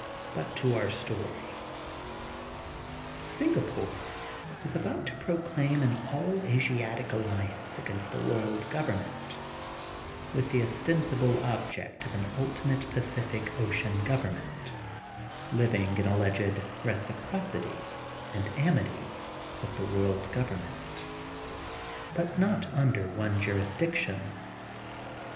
But to our story. THE GOLDEN BOOK OF SPRINGFIELD 297 Singapore ia about to proclaim an all Asia tic alliance against the World Government, with the ostensible object of an ultimate Pa cific Ocean Government, living in alleged reciprocity and amity with the World Govern ment, but not under one jurisdiction.